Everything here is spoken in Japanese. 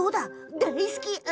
大好き。